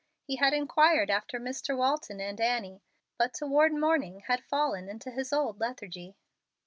He had inquired after Mr. Walton and Annie, but toward morning had fallen into his old lethargy.